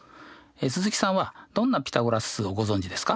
鈴木さんはどんなピタゴラス数をご存じですか？